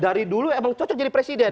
dari dulu emang cocok jadi presiden